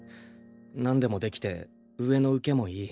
何でもできて上の受けもいい。